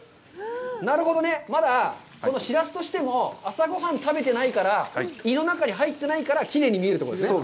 なるほどね、まだ、このしらすとしても朝ごはんを食べてないから、胃の中に入ってないからきれいに見えるということですね。